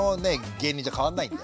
芸人じゃ変わんないんで。